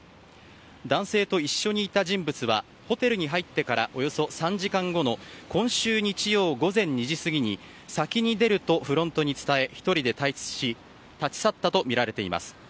男性と一緒にいた人物はホテルに入ってからおよそ３時間後の今週日曜午前２時過ぎに先に出るとフロントに伝え１人で退出し立ち去ったとみられています。